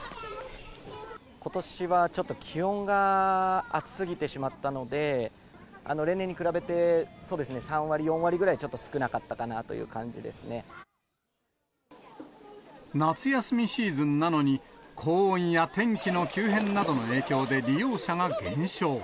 ことしはちょっと気温が暑すぎてしまったので、例年に比べて、３割、４割ぐらい、ちょっと少な夏休みシーズンなのに、高温や天気の急変などの影響で、利用者が減少。